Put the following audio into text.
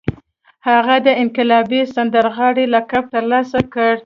هغه د انقلابي سندرغاړي لقب ترلاسه کړ